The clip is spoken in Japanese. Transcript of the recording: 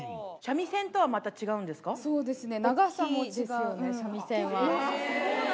そうですね。